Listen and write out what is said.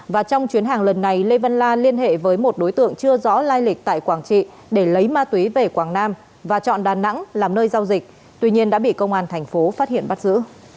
và trong chuyến hàng lần này lê văn la liên hệ với một đối tượng chưa rõ lai lịch tại quảng trị để lấy ma túy về quảng nam và chọn đà nẵng làm nơi giao dịch tuy nhiên đã bị công an thành phố phát hiện bắt giữ